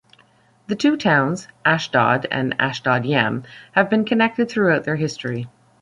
The two towns, Ashdod and Ashdod-Yam, have been connected throughout their history.